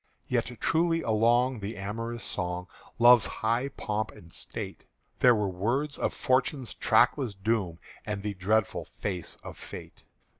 Yet truly along the amorous song Of Love's high pomp and state, There were words of Fortune's trackless doom And the dreadful face of Fate.